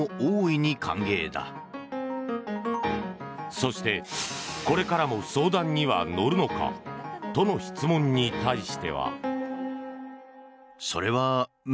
そして、これからも相談には乗るのかとの質問に対しては。